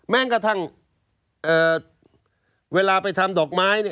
แม้กระทั่งเวลาไปทำดอกไม้